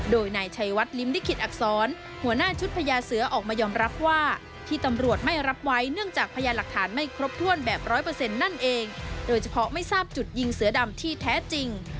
โดยนายชัยวัดลิ้มลิขิตอักษรหัวหน้าชุดพญาเสือออกมายอมรับว่าที่ตำรวจไม่รับไว้เนื่องจากพยานหลักฐานไม่ครบถ้วนแบบร้อยเปอร์เซ็นต์นั่นเองโดยเฉพาะไม่ทราบจุดยิงเสือดำที่แท้จริง